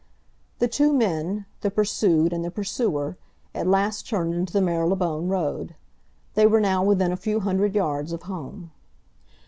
The two men—the pursued and the pursuer—at last turned into the Marylebone Road; they were now within a few hundred yards of home.